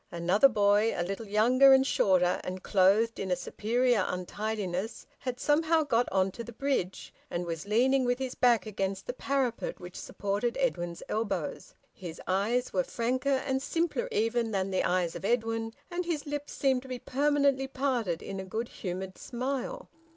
Another boy, a little younger and shorter, and clothed in a superior untidiness, had somehow got on to the bridge, and was leaning with his back against the parapet which supported Edwin's elbows. His eyes were franker and simpler even than the eyes of Edwin, and his lips seemed to be permanently parted in a good humoured smile.